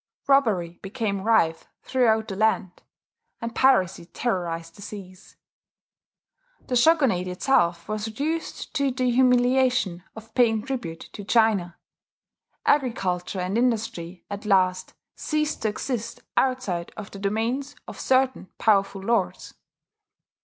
Robbery became rife throughout the land; and piracy terrorized the seas. The shogunate itself was reduced to the humiliation of paying tribute to China. Agriculture and industry at last ceased to exist outside of the domains of certain powerful lords.